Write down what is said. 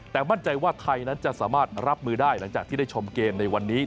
แต่มั่นใจว่าไทยนั้นจะสามารถรับมือได้หลังจากที่ได้ชมเกมในวันนี้